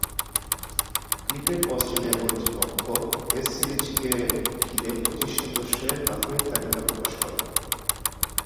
Cricket Australia কর্তৃপক্ষ test সিরিজকে ঘিরে পঁচিশ সদস্যের প্রাথমিক তালিকা প্রকাশ করে।